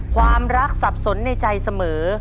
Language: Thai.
ความรักสับสนในใจเสมอ